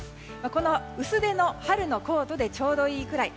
この薄手の春のコートでちょうどいいくらい。